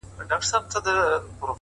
هره پریکړه د راتلونکي نقشه بدلوي